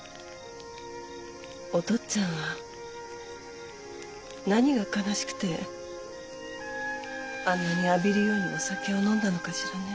お父っつぁんは何が悲しくてあんなに浴びるようにお酒を飲んだのかしらね。